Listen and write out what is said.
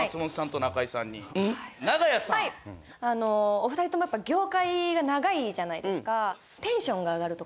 お二人ともやっぱ業界が長いじゃないですか。